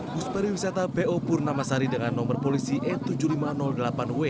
bus pariwisata po purnamasari dengan nomor polisi e tujuh ribu lima ratus delapan w